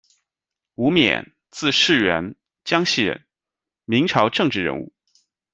伍冕，字士元，江西人，明朝政治人物。